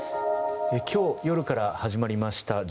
今日夜から始まりました